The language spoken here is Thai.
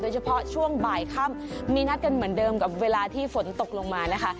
เฉพาะช่วงบ่ายค่ำมีนัดกันเหมือนเดิมกับเวลาที่ฝนตกลงมานะคะ